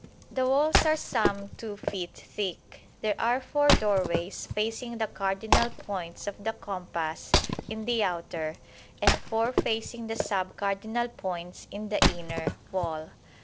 The walls are some 2 feet thick. There are four doorways facing the cardinal points of the compass in the outer, and four facing the sub cardinal points in the inner, wall.